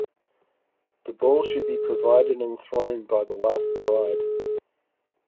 The ball should be provided and thrown by the last bride.